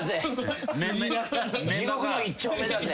地獄の一丁目だぜ。